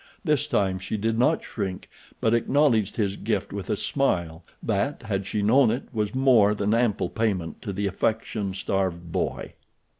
This time she did not shrink, but acknowledged his gift with a smile that, had she known it, was more than ample payment to the affection starved boy.